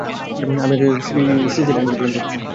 আমি এক সিসিলিয়ানকে পছন্দ করতাম।